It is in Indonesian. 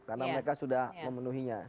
karena mereka sudah memenuhinya